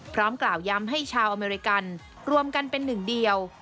พร้อมกล่าวย้ำให้ชาวอเมริกันรวมกันเป็นหนึ่งเดียว